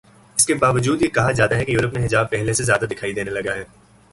اس کے باوجود یہ کہا جاتاہے کہ یورپ میں حجاب پہلے سے زیادہ دکھائی دینے لگا ہے۔